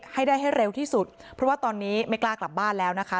ให้ได้ให้เร็วที่สุดเพราะว่าตอนนี้ไม่กล้ากลับบ้านแล้วนะคะ